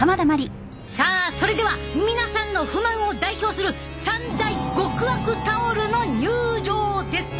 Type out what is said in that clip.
さあそれでは皆さんの不満を代表する３大極悪タオルの入場です！